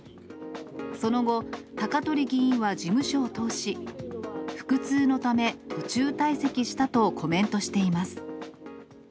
その後、高鳥議員は事務所を通し、腹痛のため、途中退席したとコメントしています。